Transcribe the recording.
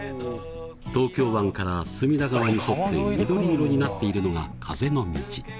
東京湾から隅田川に沿って緑色になっているのが風の道。